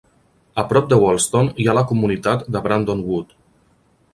A prop de Wolston hi ha la comunitat de Brandon Wood.